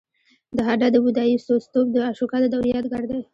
د هده د بودایي ستوپ د اشوکا د دورې یادګار دی